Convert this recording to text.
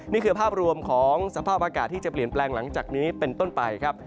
นี่คือภาพรวมของสภาพอากาศที่จะเปลี่ยนแปลงหลังจากนี้เป็นต้นไปครับ